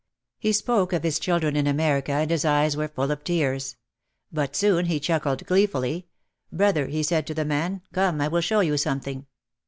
He spoke of his children in America and his eyes were full of tears. But soon he chuckled gleefully. "Brother," he said to the man, "come, I will show you something."